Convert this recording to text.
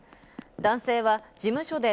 男性は事務所で